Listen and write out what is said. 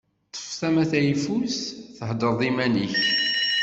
Ṭṭef tama tayfust, tḥadreḍ iman-ik.